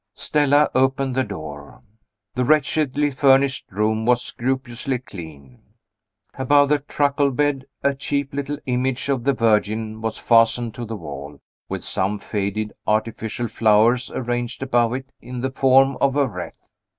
Stella opened the door. The wretchedly furnished room was scrupulously clean. Above the truckle bed, a cheap little image of the Virgin was fastened to the wall, with some faded artificial flowers arranged above it in the form of a wreath.